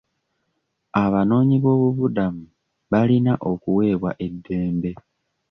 Abanoonyiboobubudamu balina okuweebwa eddembe.